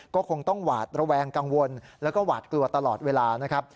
ก็คงต้องหวาดระแวงกังวลแล้วก็หวาดกลัวตลอดเวลานะครับ